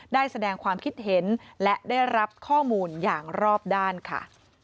ได้แสดงความคิดเห็นและได้รับข้อมูลอย่างรอบด้านค่ะ